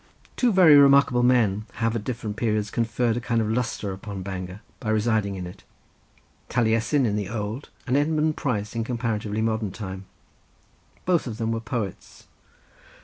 Two very remarkable men have at different periods conferred a kind of lustre upon Bangor by residing in it, Taliesin in the old, and Edmund Price in comparatively modern time. Both of them were poets.